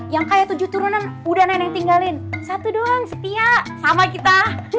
yang kayak tujuh turunan udah nenek tinggalin satu doang setia sama kita